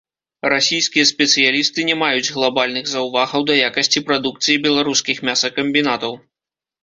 Расійскія спецыялісты не маюць глабальных заўвагаў да якасці прадукцыі беларускіх мясакамбінатаў.